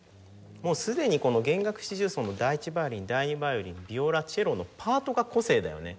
もうすでにこの弦楽四重奏の第１ヴァイオリン第２ヴァイオリンヴィオラチェロのパートが個性だよね。